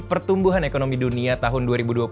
pertumbuhan ekonomi dunia tahun dua ribu dua puluh satu